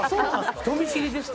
人見知りですか？